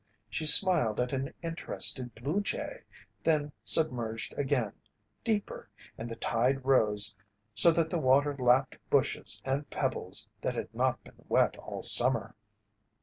She smiled at an interested blue jay, then submerged again, deeper, and the tide rose so that the water lapped bushes and pebbles that had not been wet all summer.